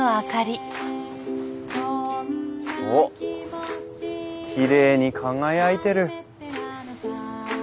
おっきれいに輝いてる。